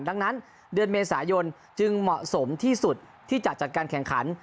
ดังนั้นเดือนเมษายนจึงเหมาะสมที่สุดที่จะจัดการแข่งขัน